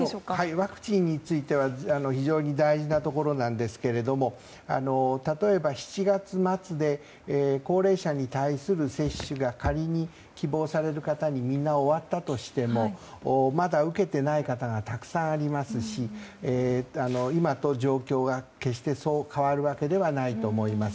ワクチンについては非常に大事なところですが例えば、７月末で高齢者に対する接種が仮に希望される方にみんな終わったとしてもまだ受けてない方がたくさんありますし今と状況は決してそう変わるわけではないと思います。